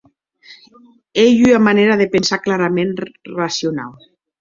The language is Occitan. Ei ua manèra de pensar claraments racionau.